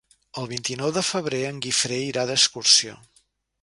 El vint-i-nou de febrer en Guifré irà d'excursió.